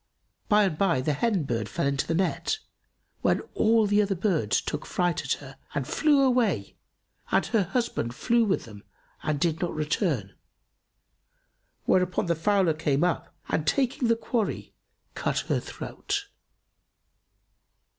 By and by, the hen bird fell into the net, when all the other birds took fright at her and flew away, and her husband flew with them and did not return; whereupon the fowler came up and taking the quarry, cut her throat.